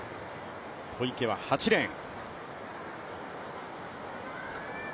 小池は８レーン。